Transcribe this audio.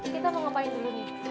kita mau ngapain dulu nih